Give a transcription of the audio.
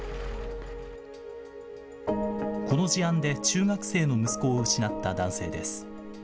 この事案で中学生の息子を失った男性です。